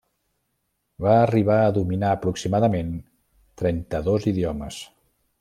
Va arribar a dominar aproximadament trenta-dos idiomes.